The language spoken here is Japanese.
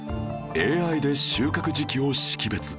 ＡＩ で収穫時期を識別